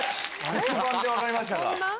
黒板で分かりましたか。